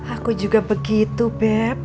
aku juga begitu beb